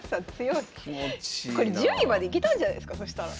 これ１０位までいけたんじゃないすかそしたら。